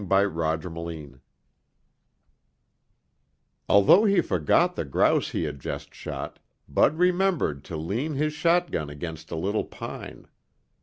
chapter 6 Although he forgot the grouse he had just shot, Bud remembered to lean his shotgun against a little pine.